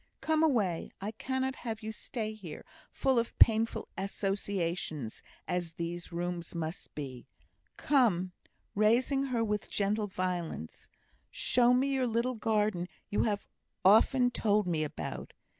"Come away; I cannot have you stay here, full of painful associations as these rooms must be. Come" raising her with gentle violence "show me your little garden you have often told me about.